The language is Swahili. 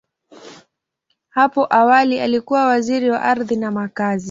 Hapo awali, alikuwa Waziri wa Ardhi na Makazi.